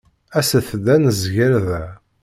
Aset-d ad nezger da.